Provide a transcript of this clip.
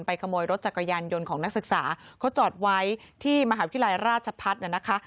ขโมยรถจักรยานยนต์ของนักศึกษาเขาจอดไว้ที่มหาวิทยาลัยราชพัฒน์น่ะนะคะ